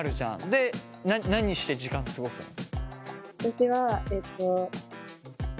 で何して時間過ごすの？